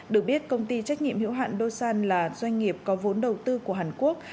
được biết công ty trách nhiệm hiệu hạn do sun là doanh nghiệp có vốn đầu tư của hàn quốc